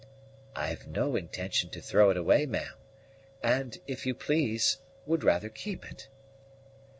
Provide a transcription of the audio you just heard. "I've no intention to throw it away, ma'am; and, if you please, would rather keep it."